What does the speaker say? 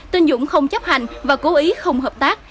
tin dũng không chấp hành và cố ý không hợp tác